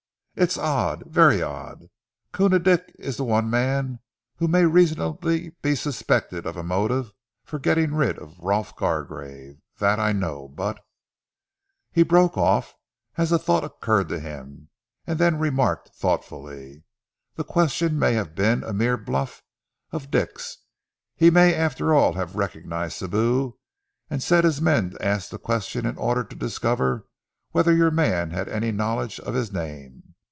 "It's odd, very odd! Koona Dick is the one man who may reasonably be suspected of a motive for getting rid of Rolf Gargrave. That I know, but " He broke off as a thought occurred to him, and then remarked thoughtfully, "The question may have been a mere bluff of Dick's. He may after all have recognized Sibou and set his men to ask the question in order to discover whether your man had any knowledge of his name!